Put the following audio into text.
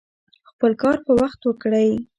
خپل کار په وخت وکړئ